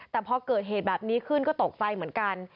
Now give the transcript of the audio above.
แต่พอเกิดเหตุแบบนี้ขึ้นก็ตกใจเหมือนกัน